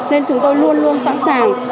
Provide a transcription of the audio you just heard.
nên chúng tôi luôn luôn sẵn sàng